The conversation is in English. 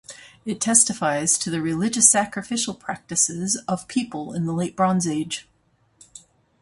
It testifies to the religious sacrificial practices of people in the late Bronze Age.